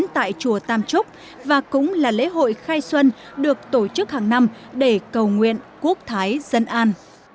tại chùa tam trúc và cũng là lễ hội khai xuân được tổ chức hàng năm để cầu nguyện quốc thái dân an